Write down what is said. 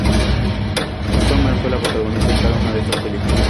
Sommer fue la protagonista en cada una de estas películas.